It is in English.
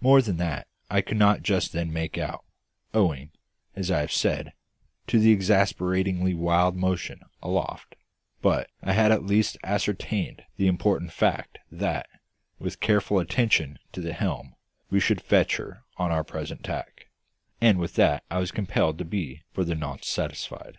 More than that I could not just then make out, owing as I have said to the exasperatingly wild motion aloft; but I had at least ascertained the important fact that, with careful attention to the helm, we should fetch her on our present tack; and with that I was compelled to be for the nonce satisfied.